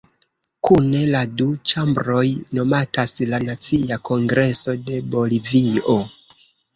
Kune la du ĉambroj nomatas la "Nacia Kongreso de Bolivio".